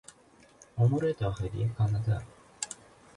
امور داخلی کانادا